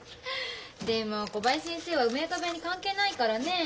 でも小林先生は梅若部屋に関係ないからねえ。